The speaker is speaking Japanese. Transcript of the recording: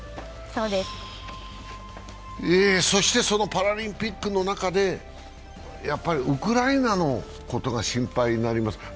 そのパラリンピックの中でやっぱりウクライナのことが心配になります。